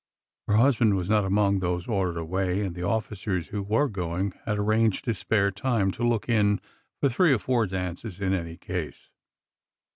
Her husband was not among those ordered away, and the officers who were going had arranged to spare time to look in for three or four dances in any case.